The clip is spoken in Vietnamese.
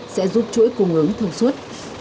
sẽ giúp chuỗi cung ứng thông suốt